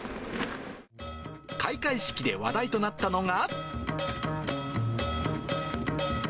開会式で話題となったのが。